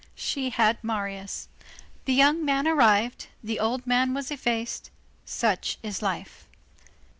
She had Marius. The young man arrived, the old man was effaced; such is life.